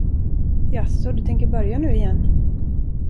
Jaså, du tänker börja nu igen?